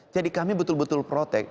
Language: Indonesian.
jadi kami betul betul protek